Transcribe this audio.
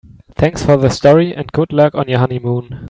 Thanks for the story and good luck on your honeymoon.